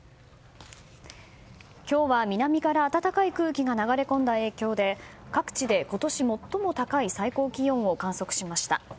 今日は南から暖かい空気が流れ込んだ影響で各地で今年最も高い最高気温を観測しました。